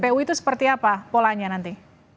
kpu itu seperti apa polanya nanti